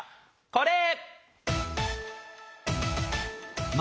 これ！